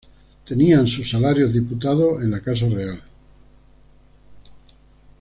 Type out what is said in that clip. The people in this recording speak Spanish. Tenían sus salarios diputados en la casa real.